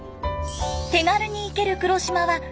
手軽に行ける黒島は大分県